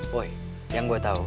boy yang gue tau